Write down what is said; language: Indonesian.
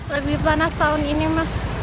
lebih panas tahun ini mas